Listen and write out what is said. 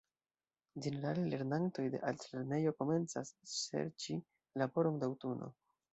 Ĝenerale lernantoj de altlernejo komencas serĉi laboron de aŭtuno.